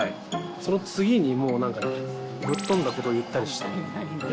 その次にぶっ飛んだことを言ったりして、え？